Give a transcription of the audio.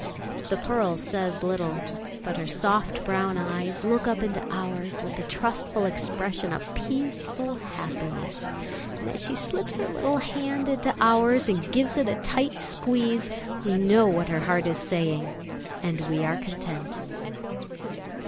The Pearl says little; but her soft brown eyes look up into ours with a trustful expression of peaceful happiness; and as she slips her little hand into ours and gives it a tight squeeze, we know what her heart is saying, and we are content.